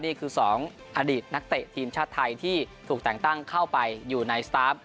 นี่คือ๒อดีตนักเตะทีมชาติไทยที่ถูกแต่งตั้งเข้าไปอยู่ในสตาร์ฟ